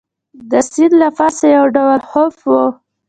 د سیند له پاسه یو ډول خوپ وو.